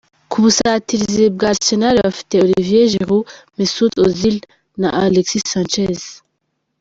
Ku busatirizi bwa Arsenal bafite Olivier Giroud, Mesut Ozil na Alexis Sanchez.